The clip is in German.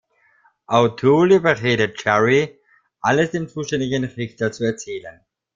O'Toole überredet Jerry, alles dem zuständigen Richter zu erzählen.